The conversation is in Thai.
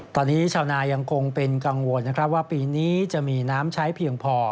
ตอนนี้ชาวนายังคงเป็นกังวลนะครับว่าปีนี้จะมีน้ำใช้เพียงพอ